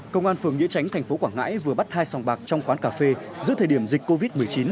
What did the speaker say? công an phường nghĩa tránh thành phố quảng ngãi vừa bắt hai sòng bạc trong quán cà phê giữa thời điểm dịch covid một mươi chín